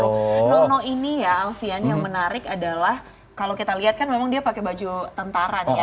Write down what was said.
nono ini ya alfian yang menarik adalah kalau kita lihat kan memang dia pakai baju tentara nih ya